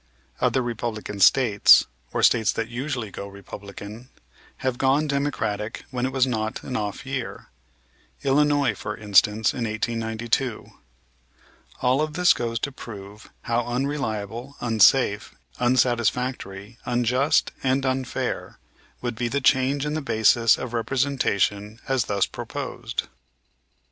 Other Republican States, or States that usually go Republican, have gone Democratic when it was not an off year, Illinois, for instance, in 1892. All of this goes to prove how unreliable, unsafe, unsatisfactory, unjust and unfair would be the change in the basis of representation as thus proposed.